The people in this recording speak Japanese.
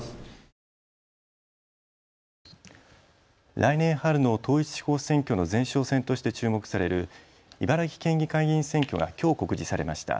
来年春の統一地方選挙の前哨戦として注目される茨城県議会議員選挙がきょう告示されました。